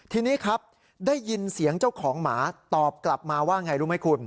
ทีนี้ครับได้ยินเสียงเจ้าของหมาตอบกลับมาว่าไงรู้ไหมคุณ